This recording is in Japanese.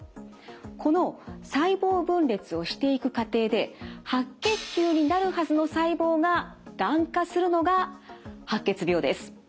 この細胞分裂をしていく過程で白血球になるはずの細胞ががん化するのが白血病です。